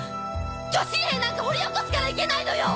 巨神兵なんか掘り起こすからいけないのよ！